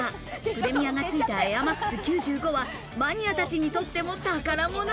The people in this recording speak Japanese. プレミアがついたエアマックス９５はマニアたちにとっても宝物。